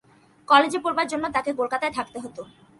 কলেজে পড়বার জন্যে তাঁকে কলকাতায় থাকতে হত।